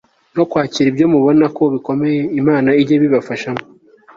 no kwakira ibyo mubona ko bikomeye Imana ijye ibibafashamo